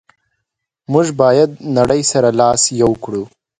موږ باید نړی سره لاس یو کړو.